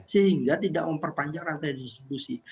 sehingga tidak memperpanjang rantai distribusi